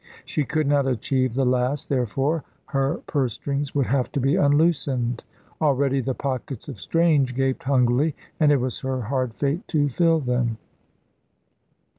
She could not achieve the last, therefore her purse strings would have to be unloosened. Already the pockets of Strange gaped hungrily, and it was her hard fate to fill them.